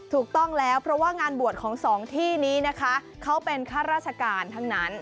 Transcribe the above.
ถูกต้องแล้วเพราะว่างานบวชของสองที่นี้นะคะเขาเป็นข้าราชการทั้งนั้น